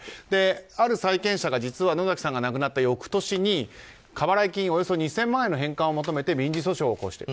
ある債権者が、実は野崎さんが亡くなった翌年に過払い金およそ２０００万円の返還を求めて民事訴訟を求めている。